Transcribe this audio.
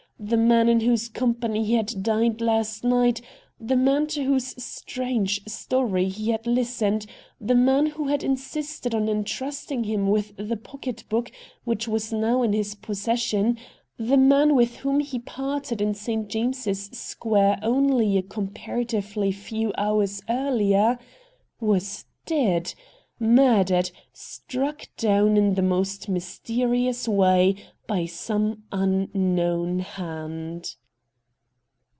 The man in whose company he had dined last night, the man to whose strange story he had listened, the man who had insisted on entrusting him with the pocket book which was now in his possession, the man with whom he parted in St. James's Square only a comparatively few hours earlier, was dead — murdered, struck THE POCKET BOOK 167 down in the most mysterious way by some unknown hand.